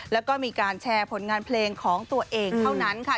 แล้วก็มีการแชร์ผลงานเพลงของตัวเองเท่านั้นค่ะ